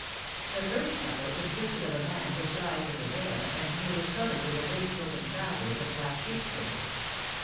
The first couple consisted of a man disguised as a bear, and nearly covered with a waistcoat and trousers of black sheepskin.